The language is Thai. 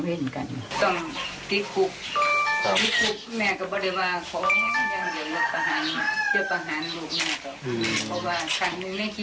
เพราะว่า